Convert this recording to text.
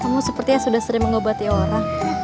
kamu sepertinya sudah sering mengobati orang